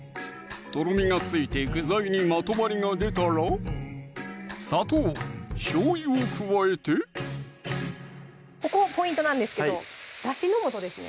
とろみがついて具材にまとまりが出たら砂糖・しょうゆを加えてここポイントなんですけどだしの素ですね